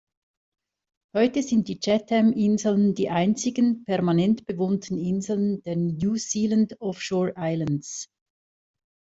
Heute sind die Chatham-Inseln die einzigen permanent bewohnten Inseln der New Zealand Offshore Islands.